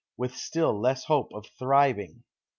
With still less hope of thriving.